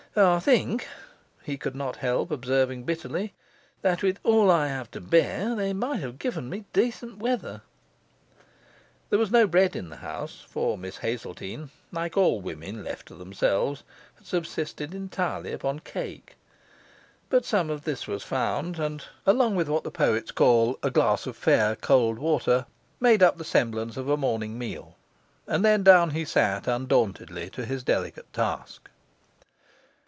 'I think,' he could not help observing bitterly, 'that with all I have to bear, they might have given me decent weather.' There was no bread in the house, for Miss Hazeltine (like all women left to themselves) had subsisted entirely upon cake. But some of this was found, and (along with what the poets call a glass of fair, cold water) made up a semblance of a morning meal, and then down he sat undauntedly to his delicate task.